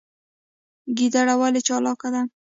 ګیدړه ولې چالاکه ده؟